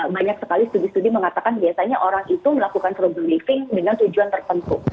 banyak sekali studi studi mengatakan biasanya orang itu melakukan problem living dengan tujuan tertentu